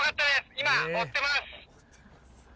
今、追ってます。